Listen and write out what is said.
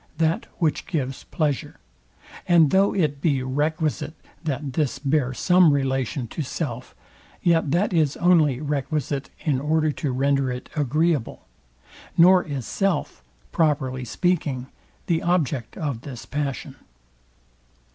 that which gives pleasure; and though it be requisite, that this bear some relation to self, yet that is only requisite in order to render it agreeable; nor is self, properly speaking, the object of this passion.